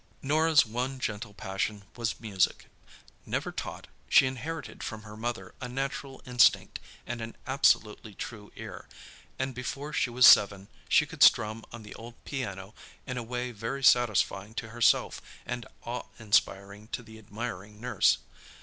Norah's one gentle passion was music. Never taught, she inherited from her mother a natural instinct and an absolutely true ear, and before she was seven she could strum on the old piano in a way very satisfying to herself and awe inspiring to the admiring nurse.